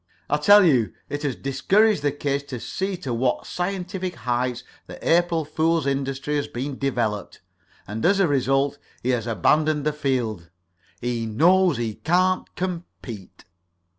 I tell you it has discouraged the kid to see to what scientific heights the April fool industry has been developed, and as a result he has abandoned the field. He knows he can't compete."